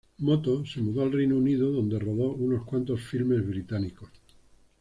Moto", se mudó al Reino Unido, donde rodó unos cuantos filmes británicos.